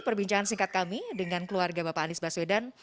perbincangan singkat kami dengan keluarga bapak anies baswedan